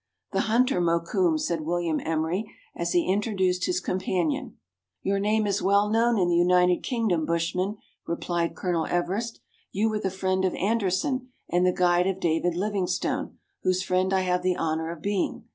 " The hunter Mokoum," said William Emery, as he intro duced his companion, " Your name is well known in the United Kingdom, bushman," replied Colonel Everest. " You were the friend of Anderson and the guide of David Livingstone, whose friend I have the honour of being.